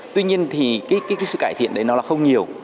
tuy nhiên thì cái sự cải thiện đấy nó là không nhiều